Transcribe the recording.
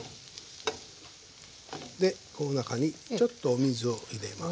でこの中にちょっとお水を入れます。